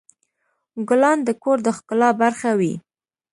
ګلان د کور د ښکلا برخه وي.